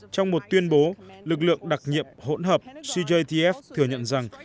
trong một tuyên bố lực lượng đặc nhiệm hỗn hợp shijef thừa nhận rằng